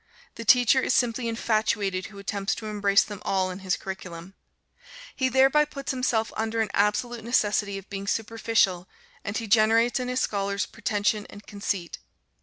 The teacher is simply infatuated who attempts to embrace them all in his curriculum. He thereby puts himself under an absolute necessity of being superficial, and he generates in his scholars pretension and conceit.